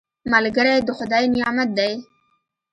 ملګری د خدای نعمت دی